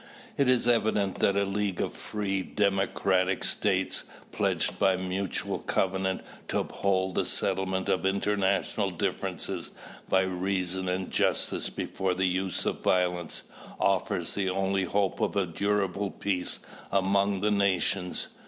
It is evident that a league of free, democratic states, pledged by mutual covenant to uphold the settlement of international differences by reason and justice before the use of violence, offers the only hope of a durable peace among the nations.